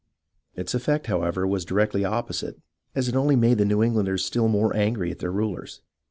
Its effect, however, was directly opposite, as it only made the New Englanders still more angry at their rulers.